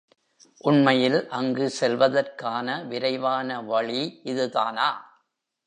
உண்மையில் அங்கு செல்வதற்கான விரைவான வழி இதுதானா?